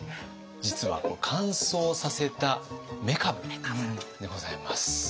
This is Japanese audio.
実は乾燥させためかぶでございます。